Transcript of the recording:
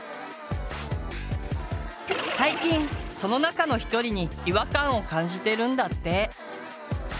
最近その中の１人に違和感を感じてるんだって。